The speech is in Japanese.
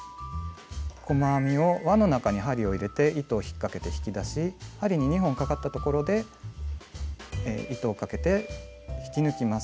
細編みを輪の中に針を入れて糸を引っかけて引き出し針に２本かかったところで糸をかけて引き抜きます。